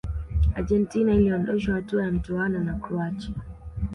argentina iliondoshwa hatua ya mtoano na croatia